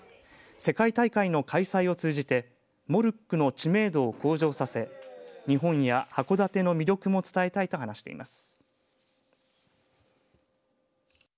世界大会の開催を通じてモルックの知名度を向上させ日本や函館の魅力も伝えたいと話しています。